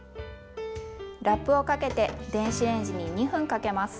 ラップをかけて電子レンジに２分かけます。